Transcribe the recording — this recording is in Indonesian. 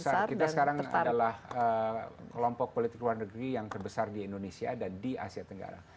terbesar kita sekarang adalah kelompok politik luar negeri yang terbesar di indonesia dan di asia tenggara